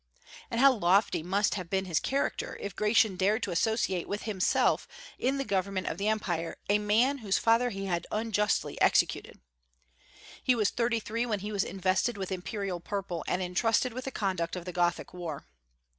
And how lofty must have been his character, if Gratian dared to associate with himself in the government of the Empire a man whose father he had unjustly executed! He was thirty three when he was invested with imperial purple and intrusted with the conduct of the Gothic war.